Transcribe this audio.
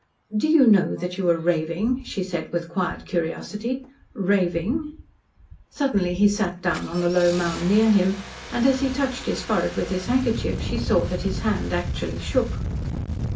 "Do you know that you are raving?" she said, with quiet curiosity "raving?" Suddenly he sat down on the low mound near him, and as he touched his forehead with his handkerchief, she saw that his hand actually shook.